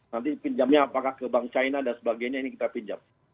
nanti pinjamnya apakah ke bank china dan sebagainya ini kita pinjam